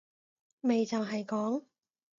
咪就係講